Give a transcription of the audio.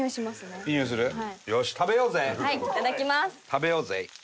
食べようぜ。